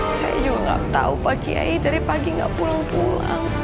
saya juga gak tau pak kiai dari pagi gak pulang pulang